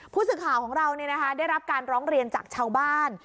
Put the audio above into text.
ผู้สื่อข่าวของเราได้รับการร้องเรียนจากชาวบ้าน